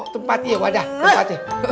tempatnya wadah tempatnya